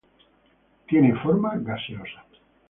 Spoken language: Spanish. Tiene forma gaseosa.